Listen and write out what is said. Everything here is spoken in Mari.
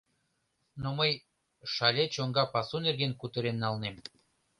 — Но мыйШале чоҥга пасу нерген кутырен налнем.